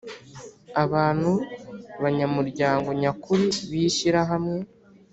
Abantu banyamuryango nyakuri b’ishyirahamwe